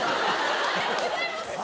ありがとうございます！